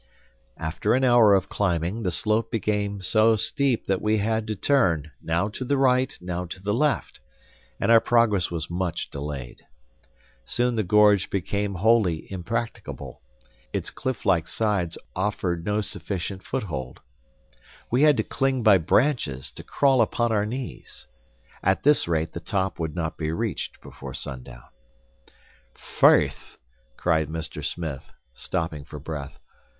After an hour of climbing, the slope became so steep that we had to turn, now to the right, now to the left; and our progress was much delayed. Soon the gorge became wholly impracticable; its cliff like sides offered no sufficient foothold. We had to cling by branches, to crawl upon our knees. At this rate the top would not be reached before sundown. "Faith!" cried Mr. Smith, stopping for breath.